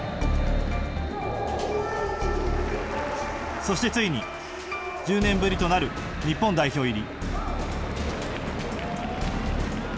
そしてついに１０年ぶりとなる日本代表入り。